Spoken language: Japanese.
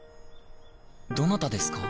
どなたですか？